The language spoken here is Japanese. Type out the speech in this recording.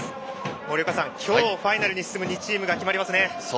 森岡さん、今日ファイナルに進む２チームが決まりますね。